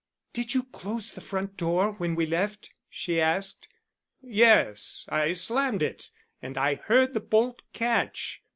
"Did you close the front door when we left?" she asked. "Yes. I slammed it and I heard the bolt catch.